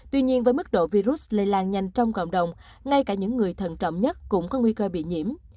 tuy nhiên với mức độ virus lây lan nhanh trong cộng đồng ngay cả những người thần trọng nhất cũng có nguy cơ bị nhiễm